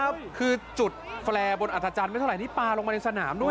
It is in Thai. คุณผู้ชมคือจุดแฟร์บนอัตราจันทร์ไม่เท่าไหร่นี่ปลาลงมาในสนามด้วย